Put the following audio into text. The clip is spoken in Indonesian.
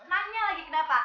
tanya lagi kenapa